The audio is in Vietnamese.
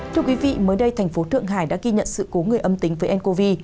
thưa quý vị mới đây thành phố thượng hải đã ghi nhận sự cố người âm tính với ncov